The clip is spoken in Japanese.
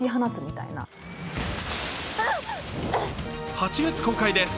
８月公開です。